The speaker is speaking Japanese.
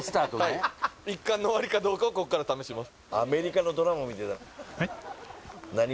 はい一巻の終わりかどうかをこっから試します